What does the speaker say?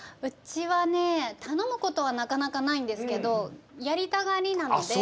うちはねたのむことはなかなかないんですけどやりたがりなので。